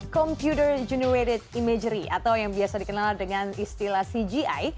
computer generated imagery atau yang biasa dikenal dengan istilah cgi